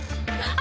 あ。